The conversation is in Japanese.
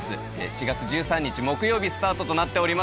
４月１３日木曜日スタートとなっております。